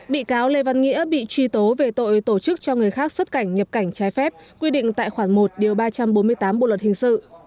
bị cáo lê văn nghĩa bị truy tố về tội tổ chức cho người khác xuất cảnh nhập cảnh trái phép quy định tại khoản một điều ba trăm bốn mươi tám bộ luật hình sự